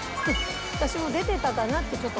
私も出てたかなってちょっと。